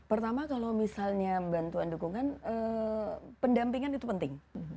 pertama kalau misalnya bantuan dukungan pendampingan itu penting